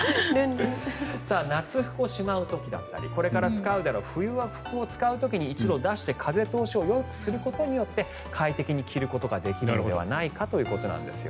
夏服をしまう時だったりこれから使うであろう冬服を使う時に一度出して風通しをよくすることによって快適に着ることができるのではないかということなんです。